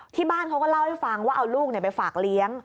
ที่บ้านเขาก็เล่าให้ฟังว่าเอาลูกไปฝากเลี้ยง